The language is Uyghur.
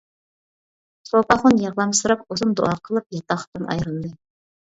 سوپاخۇن يىغلامسىراپ ئۇزۇن دۇئا قىلىپ ياتاقتىن ئايرىلدى.